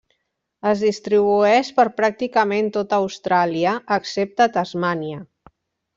Es distribueix per pràcticament tota Austràlia excepte Tasmània.